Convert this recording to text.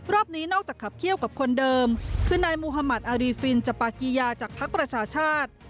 รอบนี้นอกจากขับเขี้ยวกับคนเดิมคือนายมุธมัติอารีฟินจปากิยาจากภักดิ์ประชาชาติ